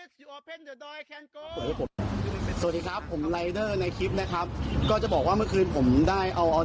สวัสดีครับผมในคลิปนะครับก็จะบอกว่าเมื่อคืนผมได้เอา